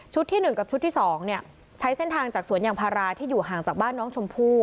ชุดที่หนึ่งกับชุดที่สองเนี่ยใช้เส้นทางจากสวนอย่างพาราที่อยู่ห่างจากบ้านน้องชมพู